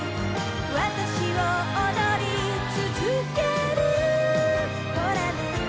「わたしを踊りつづける」「ほらね」